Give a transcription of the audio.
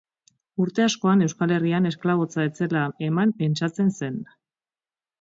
Urte askoan Euskal Herrian esklabotza ez zela eman pentsatzen zen.